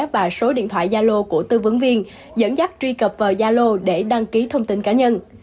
và số điện thoại gia lô của tư vấn viên dẫn dắt truy cập vào gia lô để đăng ký thông tin cá nhân